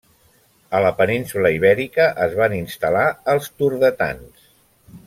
A la península Ibèrica es van instal·lar els turdetans.